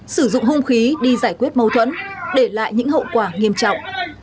sử dụng hung khí đi giải quyết mâu thuẫn để lại những hậu quả nghiêm trọng